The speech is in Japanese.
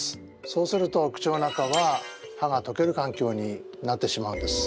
そうすると口の中は歯がとけるかんきょうになってしまうんです。